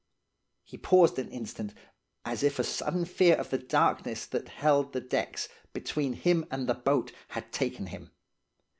He paused an instant, as if a sudden fear of the darkness that held the decks, between him and the boat, had taken him.